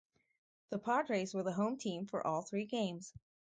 The Padres were the home team for all three games.